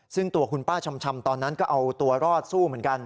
ซึ่งตัวคุณป้าชำตอนนั้นก็เอาตัวรอดสู้เหมือนกัน